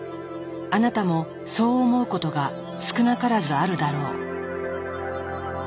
あなたもそう思うことが少なからずあるだろう。